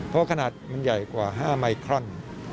เพราะขนาดมันใหญ่กว่า๕ไมครอน